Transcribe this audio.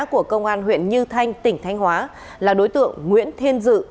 của công an huyện như thanh tỉnh thanh hóa là đối tượng nguyễn thiên dự